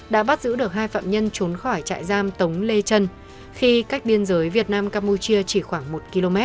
đã bắt giữ được hai phạm nhân trốn khỏi trại giam tống lê trân khi cách biên giới việt nam campuchia chỉ khoảng một km